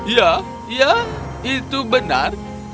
ya ya itu benar